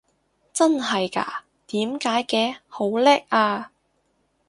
真係嘎？點解嘅？好叻啊！